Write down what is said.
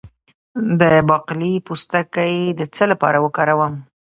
د باقلي پوستکی د څه لپاره وکاروم؟